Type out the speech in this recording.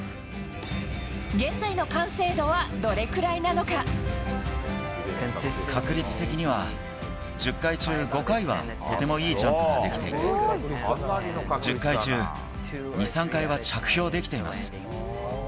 現在の完成度はどれくらいな確率的には、１０回中５回はとてもいいジャンプができていて、１０回中２、３回は着氷できています。